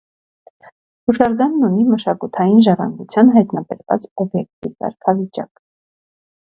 Հուշարձանն ունի մշակութային ժառանգության հայտնաբերված օբյեկտի կարգավիճակ։